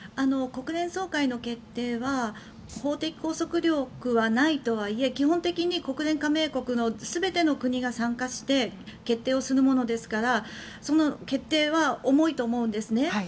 国連総会の決定は法的拘束力はないとはいえ基本的に国連加盟国の全ての国が参加して決定をするものですからその決定は重いと思うんですね。